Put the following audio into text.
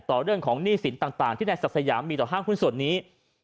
เรื่องของหนี้สินต่างที่นายศักดิ์สยามมีต่อห้างหุ้นส่วนนี้